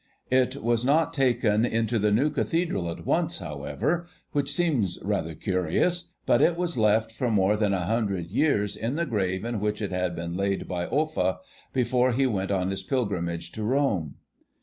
It was not taken into the new Cathedral at once, however, which seems rather curious, but it was left for more than a hundred years in the grave in which it had been laid by Offa, before he went on his pilgrimage to Rome.